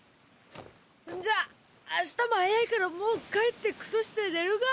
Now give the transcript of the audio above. じゃあ明日も早いからもう帰ってクソして寝るか！